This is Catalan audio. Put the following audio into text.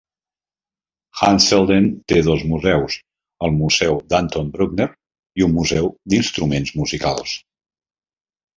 Ansfelden té dos museus, el museu d'Anton Bruckner i un museu d'instruments musicals.